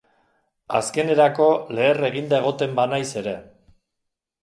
Azkenerako leher eginda egoten banaiz ere.